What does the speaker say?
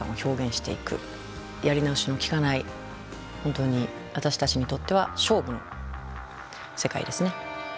やり直しのきかない本当に私たちにとっては勝負の世界ですね。